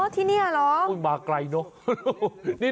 ที่นี่เหรอมาไกลเนอะ